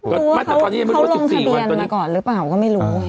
รู้ว่าเขาลงทะเบียนมาก่อนหรือเปล่าก็ไม่รู้